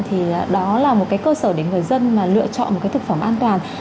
thì đó là một cái cơ sở để người dân mà lựa chọn một cái thực phẩm an toàn